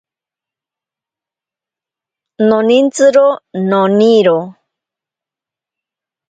Nonintsiro noniro.